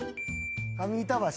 上板橋？